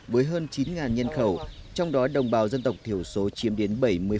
với hơn chín nhân khẩu trong đó đồng bào dân tộc thiểu số chiếm đến bảy mươi